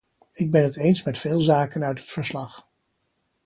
Ik ben het eens met veel zaken uit het verslag.